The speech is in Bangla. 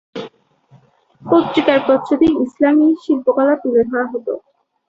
পত্রিকার প্রচ্ছদে ইসলামি শিল্পকলা তুলে ধরা হত।